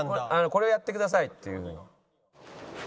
「これをやってください」っていうのを。